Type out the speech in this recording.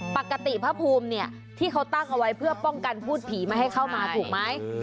พระภูมิเนี่ยที่เขาตั้งเอาไว้เพื่อป้องกันพูดผีไม่ให้เข้ามาถูกไหม